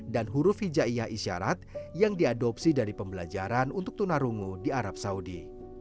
dan huruf hijaya isyarat yang diadopsi dari pembelajaran untuk tunarungu di arab saudi